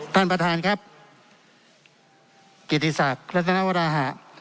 ท่านประทานครับกิจสัครพระนับมนตราฮะ